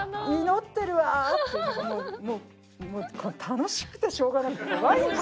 「祈ってるわ」っていうもう楽しくてしょうがない。